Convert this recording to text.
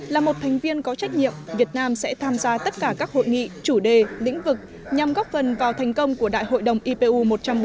là một thành viên có trách nhiệm việt nam sẽ tham gia tất cả các hội nghị chủ đề lĩnh vực nhằm góp phần vào thành công của đại hội đồng ipu một trăm bốn mươi